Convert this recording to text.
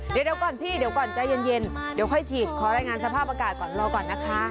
เดี๋ยวก่อนพี่เดี๋ยวก่อนใจเย็นเดี๋ยวค่อยฉีดขอรายงานสภาพอากาศก่อนรอก่อนนะคะ